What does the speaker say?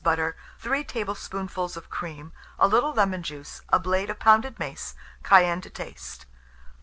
butter, 3 tablespoonfuls of cream, a little lemon juice, 1 blade of pounded mace; cayenne to taste.